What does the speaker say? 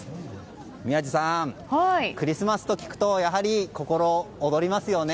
宮司さん、クリスマスと聞くと躍りますね。